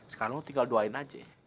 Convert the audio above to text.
sekarang lo tinggal doain aja